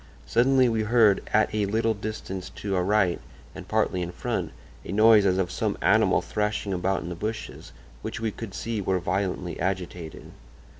Suddenly we heard, at a little distance to our right and partly in front, a noise as of some animal thrashing about in the bushes, which we could see were violently agitated.